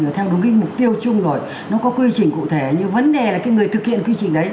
mà theo đúng cái mục tiêu chung rồi nó có quy trình cụ thể như vấn đề là cái người thực hiện quy trình đấy